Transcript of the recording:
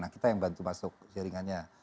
nah kita yang bantu masuk jaringannya